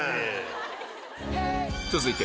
続いて